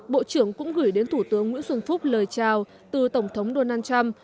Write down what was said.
bộ trưởng cũng gửi đến thủ tướng nguyễn xuân phúc lời chào từ tổng thống donald trump